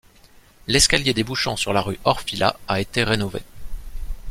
L'escalier débouchant sur la rue Orfila a été rénové.